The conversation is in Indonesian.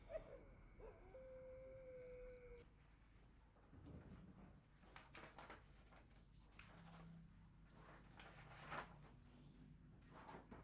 aku sudah berjalan